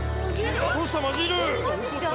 どうした？